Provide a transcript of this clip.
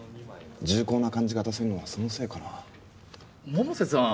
重厚な感じが出せるのはそのせいかな百瀬さん